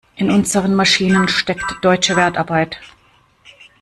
In unseren Maschinen steckt deutsche Wertarbeit.